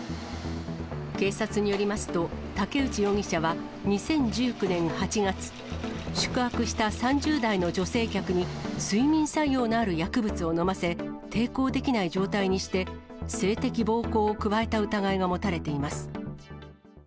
警察によりますと、武内容疑者は２０１９年８月、宿泊した３０代の女性客に、睡眠作用のある薬物を飲ませ、抵抗できない状態にして、性的暴行を加えた疑いが持たれています。